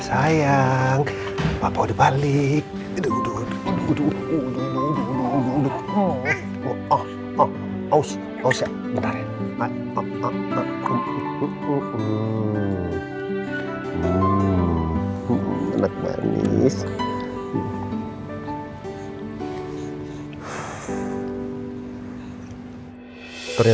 sangat inget membuat kamu menderita